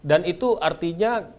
dan itu artinya